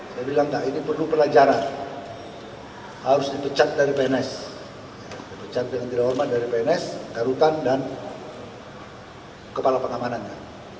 saya bilang ini perlu pelajaran harus dipecat dari pns dipecat dengan tidak hormat dari pns karutan dan kepala pengamanannya